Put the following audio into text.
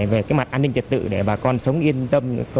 về cái mặt an ninh trật tự để bà con sống yên tâm